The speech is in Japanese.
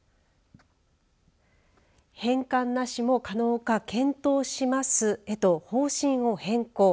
返還なしも可能か検討しますへと方針を変更。